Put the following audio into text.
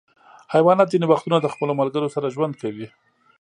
حیوانات ځینې وختونه د خپلو ملګرو سره ژوند کوي.